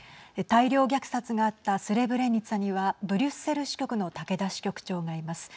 大量虐殺があったスレブレニツァにはブリュッセル支局の竹田支局長がいます。